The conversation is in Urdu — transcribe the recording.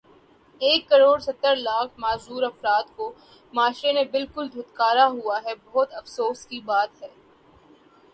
ایک کڑوڑ ستر لاکھ معذور افراد کو معاشرے نے بلکل دھتکارا ہوا ہے بہت افسوس کی بات ہے